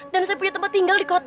dan saya punya tempat tinggal di kota